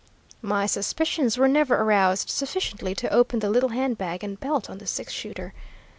My suspicions were never aroused sufficiently to open the little hand bag and belt on the six shooter.